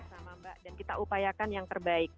sama mbak dan kita upayakan yang terbaik